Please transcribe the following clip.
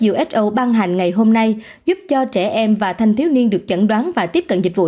uso ban hành ngày hôm nay giúp cho trẻ em và thanh thiếu niên được chẩn đoán và tiếp cận dịch vụ